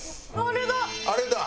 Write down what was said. あれだ！